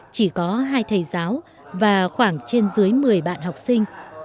chỉ có hai thầy giáo và khoảng trên dưới mười bạn học sinh